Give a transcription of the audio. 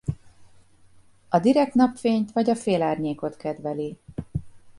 A direkt napfényt vagy a félárnyékot kedveli.